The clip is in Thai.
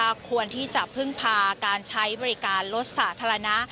ควรที่จะพึ่งพาการใช้บริการรถสาธารณะ